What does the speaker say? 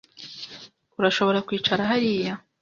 Urashobora kwicara hariya?